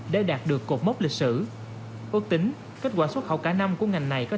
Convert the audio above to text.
để đạt được cột mốc lịch sử ước tính kết quả xuất khẩu cả năm của ngành này có